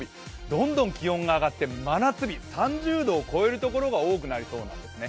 どんどん気温が上がって、真夏日３０度を超えるところが多くなりそうなんですね。